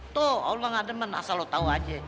tuh ulah gak demen asal lo tau aja